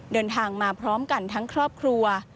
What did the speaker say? เดินทางมาพร้อมกันทั้งครอบครัว